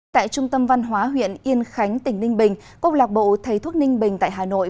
tại trung tâm văn hóa huyện yên khánh tỉnh ninh bình công lạc bộ thầy thuốc ninh bình tại hà nội